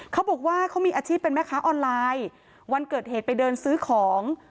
เขาบอกว่าเขามีอาชีพเป็นแม่ค้าออนไลน์วันเกิดเหตุไปเดินซื้อของ